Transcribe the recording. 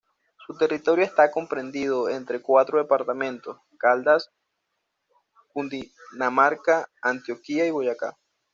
Su territorio está comprendido entre cuatro departamentos: Caldas, Cundinamarca, Antioquia y Boyacá.